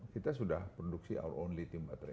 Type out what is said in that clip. kita sudah produksi our only team baterai